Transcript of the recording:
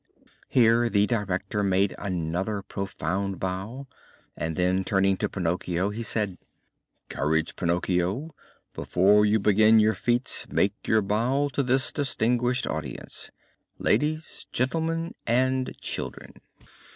Here the director made another profound bow, and, then turning to Pinocchio, he said: "Courage, Pinocchio! before you begin your feats make your bow to this distinguished audience ladies, gentlemen, and children."